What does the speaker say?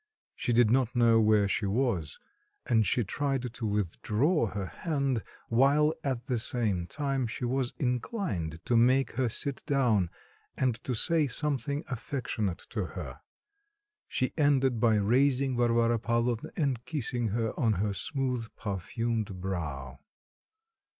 She did not know where she was. And she tried to withdraw her hand, while, at the same time, she was inclined to make her sit down, and to say something affectionate to her. She ended by raising Varvara Pavlovna and kissing her on her smooth perfumed brow.